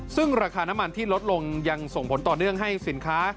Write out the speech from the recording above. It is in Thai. ซึ่งราคาน้ำมันที่ลดลงยังส่งผลต่อเนื่องให้สินค้า